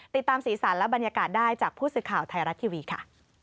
ติดตามสีสันและบรรยากาศได้จากพูดสึกข่าวไทยรัฐทีวีค่ะ